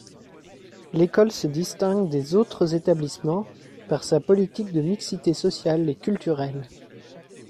L'école se distingue des autres établissements par sa politique de mixité sociale et culturelle.